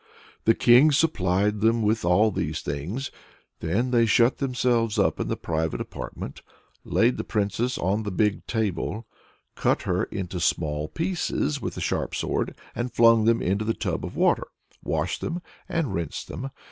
The King supplied them with all these things. Then they shut themselves up in the private apartment, laid the Princess on the big table, cut her into small pieces with the sharp sword, flung them into the tub of water, washed them, and rinsed them.